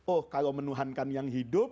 oh kalau menuhankan yang hidup